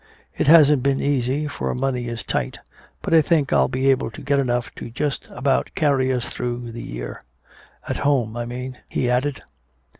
"It hasn't been easy, for money is tight, but I think I'll be able to get enough to just about carry us through the year. At home, I mean," he added.